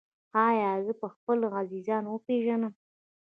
ایا زه به خپل عزیزان وپیژنم؟